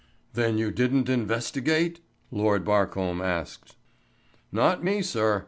"Then you didn't investigate?" Lord Barcombe asked. "Not me, sir.